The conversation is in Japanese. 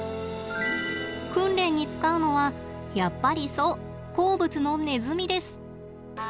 訓練に使うのはやっぱりそう好物のネズミです。